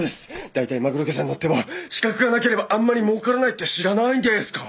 大体マグロ漁船乗っても資格がなければあんまりもうからないって知らないんですか？